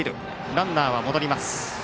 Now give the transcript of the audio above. ランナーは戻ります。